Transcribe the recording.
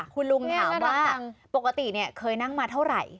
คุณลุงถามว่าปกติเคยนั่งมาเท่าไหร่